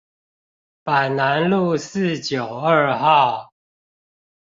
板南路四九二號